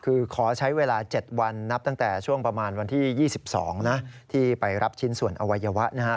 คือขอใช้เวลา๗วันนับตั้งแต่ช่วงประมาณวันที่๒๒นะที่ไปรับชิ้นส่วนอวัยวะนะฮะ